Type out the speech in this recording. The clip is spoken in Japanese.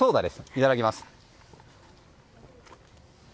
いただきます。